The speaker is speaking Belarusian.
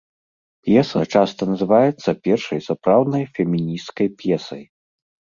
П'еса часта называецца першай сапраўднай фемінісцкай п'есай.